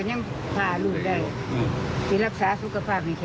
หลังจากที่ฟังคิดคำตัดสิน